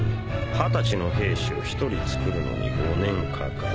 二十歳の兵士を１人つくるのに５年かかる